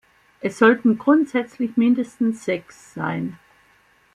Es sollten grundsätzlich mindestens sechs sein.